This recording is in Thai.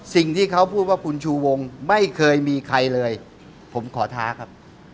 สิ่งที่เขาพูดว่าคุณชูวงไม่เคยมีใครเลยผมขอท้าครับ